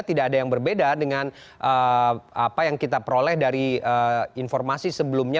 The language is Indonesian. tidak ada yang berbeda dengan apa yang kita peroleh dari informasi sebelumnya